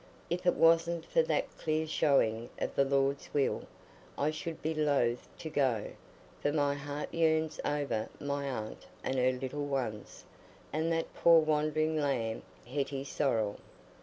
If it wasn't for that clear showing of the Lord's will, I should be loath to go, for my heart yearns over my aunt and her little ones, and that poor wandering lamb Hetty Sorrel.